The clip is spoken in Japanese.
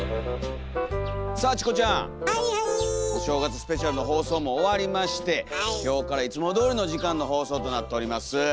お正月スペシャルの放送も終わりまして今日からいつもどおりの時間の放送となっております。